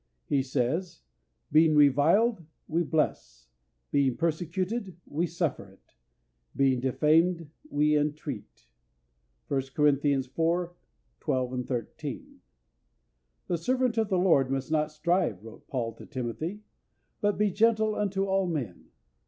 He says, "Being reviled, we bless; being persecuted, we suffer it; being defamed, we intreat" (1 Cor. iv. 12, 13). "The servant of the Lord must not strive," wrote Paul to Timothy, "but be gentle unto all men."